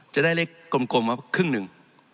จะได้เลขกลมมาครึ่งหนึ่ง